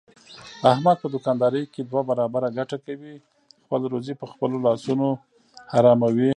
احمد په دوکاندارۍ کې دوه برابره ګټه کوي، خپله روزي په خپلو لاسونو حراموي.